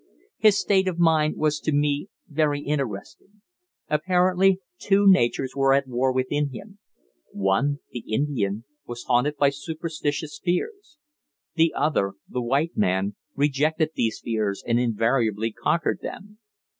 His state of mind was to me very interesting. Apparently two natures were at war within him. One the Indian was haunted by superstitious fears; the other the white man rejected these fears and invariably conquered them.